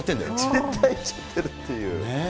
じん帯いっちゃってるっていう。